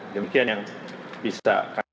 demikian yang bisa kami